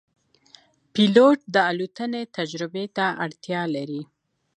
پیلوټ د الوتنې تجربې ته اړتیا لري.